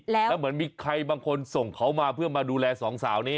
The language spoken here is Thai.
แล้วเหมือนมีใครบางคนส่งเขามาเพื่อมาดูแลสองสาวนี้